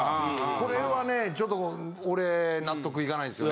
これはねちょっと俺納得いかないんですよね。